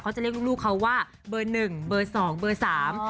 จะเรียกลูกลูกเขาว่าเบอร์หนึ่งเบอร์สองเบอร์สาม